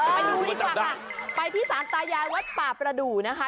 ไปดูดีกว่าค่ะไปที่สารตายายวัดป่าประดูนะคะ